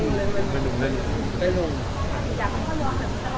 อยากแพ้ดับเผื่อค่ะพี่เจ้าเลย